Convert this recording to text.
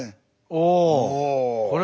おお。